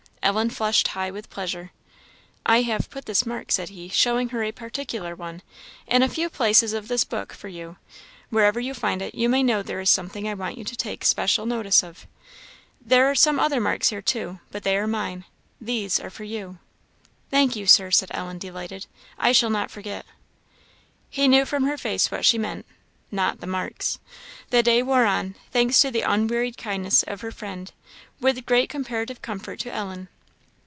Ellen flushed high with pleasure. "I have put this mark," said he, showing her a particular one, "in a few places of this book, for you; wherever you find it, you may know there is something I want you to take special notice of. There are some other marks here too, but they are mine these are for you." "Thank you, Sir," said Ellen, delighted; "I shall not forget." He knew from her face what she meant not the marks. The day wore on, thanks to the unwearied kindness of her friend, with great comparative comfort to Ellen.